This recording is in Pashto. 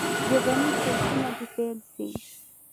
ژبني کورسونه دي پیل سي.